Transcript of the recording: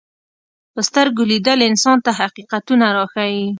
په سترګو لیدل انسان ته حقیقتونه راښيي